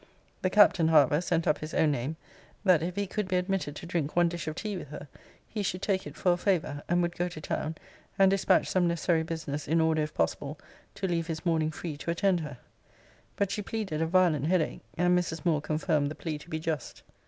The Captain, however, sent up his own name, that if he could be admitted to drink one dish of tea with her, he should take it for a favour: and would go to town, and dispatch some necessary business, in order, if possible, to leave his morning free to attend her. But she pleaded a violent head ache; and Mrs. Moore confirmed the plea to be just.